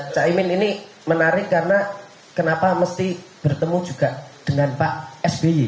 caimin ini menarik karena kenapa mesti bertemu juga dengan pak sby